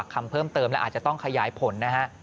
คำเพิ่มเติมและอาจจะต้องขยายผลนะฮะ